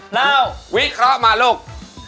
แล้ววิเคราะห์มาลูก